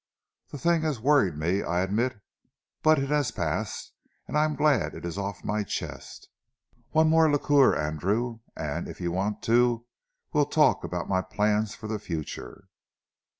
The thing has worried me, I admit, but it has passed, and I'm glad it's off my chest. One more liqueur, Andrew, and if you want to we'll talk about my plans for the future."